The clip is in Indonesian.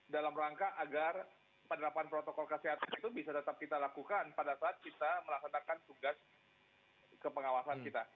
dalam rangka agar penerapan protokol kesehatan itu bisa tetap kita lakukan pada saat kita melaksanakan tugas kepengawasan kita